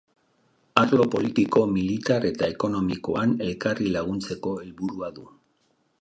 Arlo politiko, militar eta ekonomikoan elkarri laguntzeko helburua du.